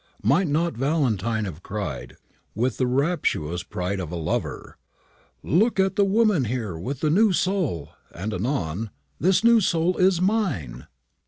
Might not Valentine have cried, with the rapturous pride of a lover: "Look at the woman here with the new soul!" and anon: "This new soul is mine!"